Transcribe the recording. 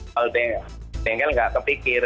kalau bengkel nggak kepikir